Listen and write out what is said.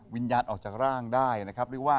วิญญาณออกจากร่างได้นะครับ